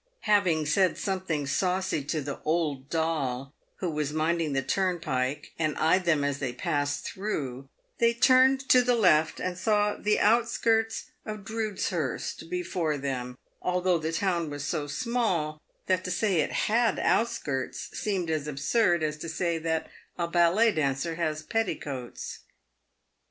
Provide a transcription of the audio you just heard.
Having said something saucy to the " old doll " who was minding the turn pike, and eyed them as they passed through, they turned to the left, and saw the outskirts of Drudeshurst before them, although the town was so small that to say it had outskirts seemed as absurd as to say that a ballet dancer has petticoats.